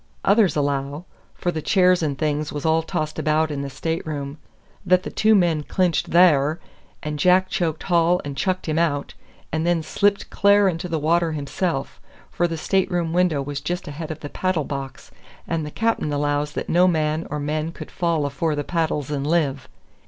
Others allow for the chairs and things was all tossed about in the stateroom that the two men clinched THAR, and Jack choked Hall and chucked him out, and then slipped cl'ar into the water himself, for the stateroom window was just ahead of the paddle box, and the cap'n allows that no man or men could fall afore the paddles and live.